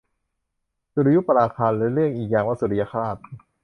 สุริยุปราคา หรือเรียกอีกอย่างว่าสุริยคราส